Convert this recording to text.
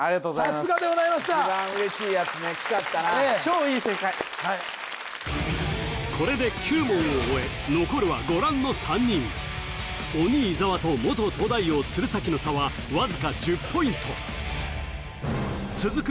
さすがでございました一番嬉しいやつねきちゃったな超いい正解これで９問を終え残るはご覧の３人鬼伊沢と元東大王鶴崎の差はわずか１０ポイント続く